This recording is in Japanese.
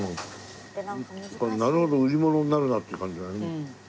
これなるほど売り物になるなって感じだね。